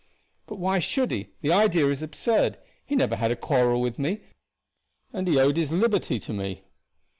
"But why should he? The idea is absurd. He had never had a quarrel with me, and he owed his liberty to me."